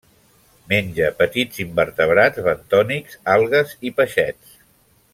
Menja petits invertebrats bentònics, algues i peixets.